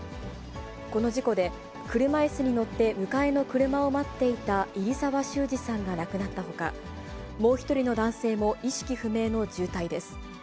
この事故で、車いすに乗って迎えの車を待っていた入沢周史さんが亡くなったほか、もう１人の男性も意識不明の重体です。